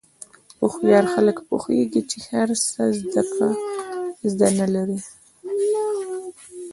هوښیار خلک پوهېږي چې هر څه زده نه لري.